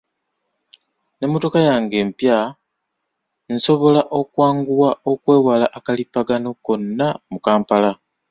N'emmotoka yange empya, nsobola okwanguwa okwewala akalipagano konna mu Kampala.